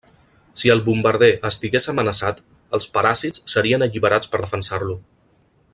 Si el bombarder estigués amenaçat, els paràsits serien alliberats per defensar-lo.